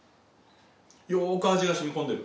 よく味が染み込んでる。